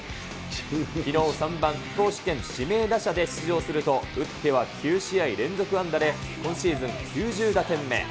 きのう３番投手兼指名打者で出場すると、打っては９試合連続安打で、今シーズン９０打点目。